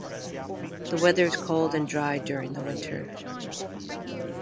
The weather is cold and dry during the winter.